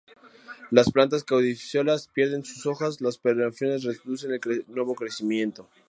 Las plantas caducifolias pierden sus hojas, las perennifolias reducen el nuevo crecimiento.